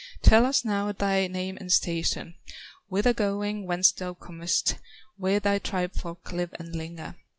Tell us now thy name and station, Whither going, whence thou comest, Where thy tribe folk live and linger?"